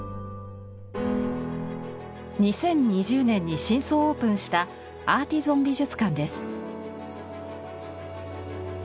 ２０２０年に新装オープンしたアーティゾン美術館です。